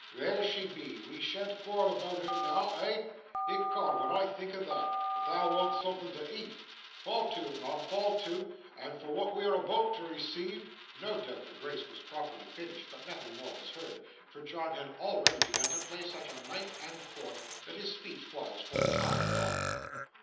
'There she be we shan't quarrel about her noo eh? Ecod, when I think o' thot but thou want'st soom'at to eat. Fall to, mun, fall to, and for wa'at we're aboot to receive ' No doubt the grace was properly finished, but nothing more was heard, for John had already begun to play such a knife and fork, that his speech was, for the time, gone.